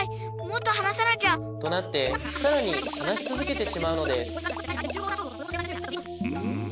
もっとはなさなきゃ！となってさらにはなしつづけてしまうのですん？